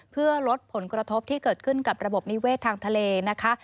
เพื่อลดผลกระทบที่เกิดขึ้นกับระบบนิเวศทางทะเลนะคะ